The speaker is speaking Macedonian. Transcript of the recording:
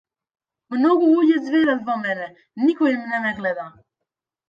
Многу луѓе ѕверат во мене, никој не ме гледа.